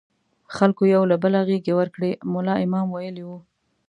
خلکو یو له بله غېږې ورکړې، ملا امام ویلي وو.